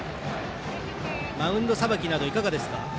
マウンドさばきなどいかがですか？